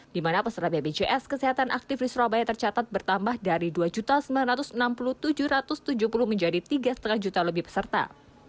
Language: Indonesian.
di mana peserta bpjs kesehatan aktif di surabaya tercatat bertambah dari dua sembilan ratus enam puluh tujuh ratus tujuh puluh menjadi tiga lima juta lebih peserta